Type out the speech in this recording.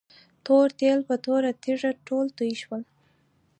تور تیل په توره تيږه ټول توي شول.